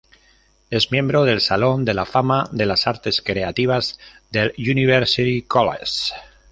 Es miembro del salón de la fama de las artes creativas del University College.